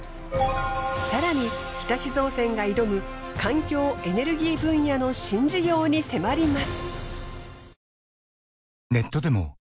更に日立造船が挑む環境・エネルギー分野の新事業に迫ります。